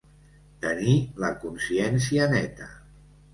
Tenir la consciència neta.